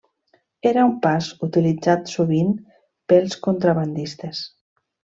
Era un pas utilitzat sovint pels contrabandistes.